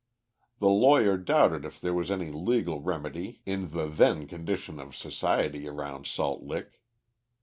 The lawyer doubted if there was any legal remedy in the then condition of society around Salt Lick.